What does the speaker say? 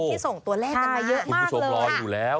ที่ส่งตัวแรกกันมาเยอะมากเลย